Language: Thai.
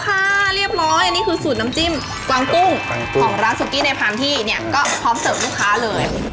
ของร้านซุกี้ในพาร์มที่เนี่ยก็พร้อมเสริมลูกค้าเลย